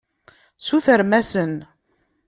Sutrem-asen.